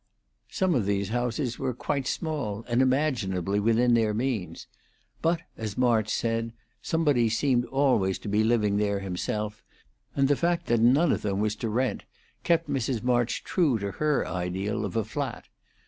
Some of these houses were quite small, and imaginably within their means; but, as March said, some body seemed always to be living there himself, and the fact that none of them was to rent kept Mrs. March true to her ideal of a flat.